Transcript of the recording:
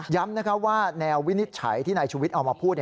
ย้ำว่าแนววินิจฉัยที่นายชูวิทย์เอามาพูด